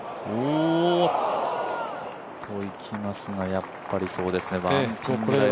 やっぱりそうですね。